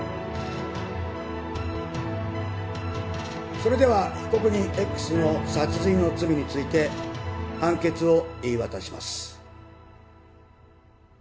それでは被告人Ｘの殺人の罪について判決を言い渡します。